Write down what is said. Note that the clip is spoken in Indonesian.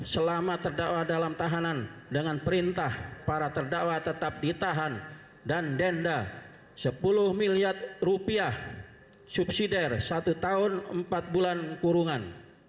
selama terdakwa dalam tahanan dengan perintah para terdakwa tetap ditahan dan denda sepuluh miliar rupiah subsidi satu tahun empat bulan kurungan